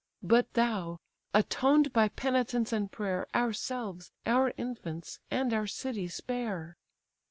But thou, atoned by penitence and prayer, Ourselves, our infants, and our city spare!"